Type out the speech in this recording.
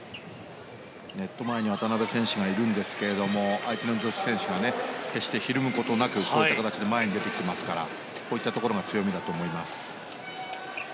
ネット前に渡辺選手がいるんですけども相手の女子選手が決してひるむことなく前に出てきてますからこういったところが強みだと思います。